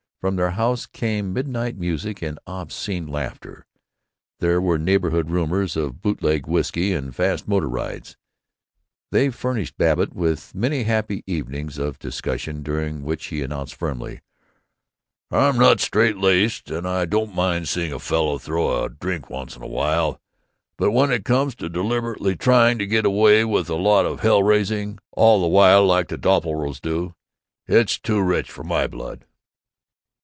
From their house came midnight music and obscene laughter; there were neighborhood rumors of bootlegged whisky and fast motor rides. They furnished Babbitt with many happy evenings of discussion, during which he announced firmly, "I'm not straitlaced, and I don't mind seeing a fellow throw in a drink once in a while, but when it comes to deliberately trying to get away with a lot of hell raising all the while like the Doppelbraus do, it's too rich for my blood!"